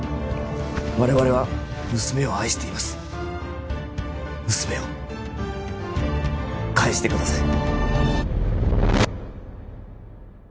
我々は娘を愛しています娘を返してください